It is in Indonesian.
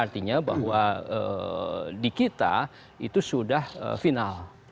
artinya bahwa di kita itu sudah final